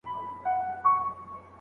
ايا د قرآن کريم تفسير زيات ارزښت لري؟